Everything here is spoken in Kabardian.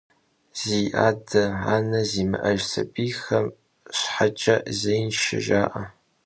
Зи адэ-анэ зимыӏэж сабийхэм щхьэкӏэ зеиншэ жаӏэ.